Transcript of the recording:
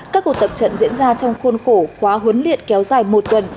các cuộc tập trận diễn ra trong khuôn khổ quá huấn luyện kéo dài một tuần